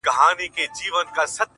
o پايزېب به دركړمه د سترگو توره؛